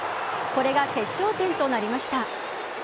これが決勝点となりました。